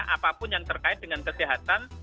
apapun yang terkait dengan kesehatan